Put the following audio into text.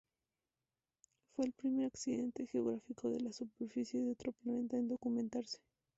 Fue el primer accidente geográfico de la superficie de otro planeta en documentarse.